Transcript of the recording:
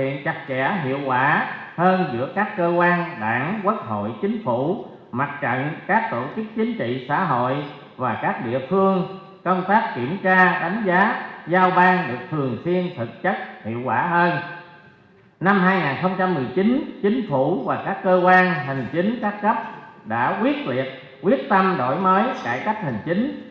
năm hai nghìn một mươi chín chính phủ và các cơ quan hành chính các cấp đã quyết liệt quyết tâm đổi mới cải cách hành chính